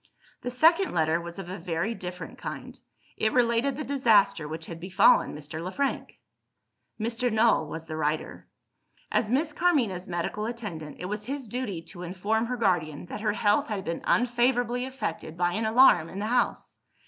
The second letter was of a very different kind. It related the disaster which had befallen Mr. Le Frank. Mr. Null was the writer. As Miss Carmina's medical attendant, it was his duty to inform her guardian that her health had been unfavourably affected by an alarm in the house.